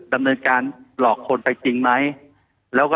ดำเนินการหลอกคนไปจริงอะไรแบบนี้